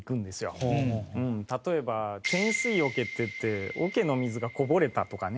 例えば「天水桶」っていって桶の水がこぼれたとかね。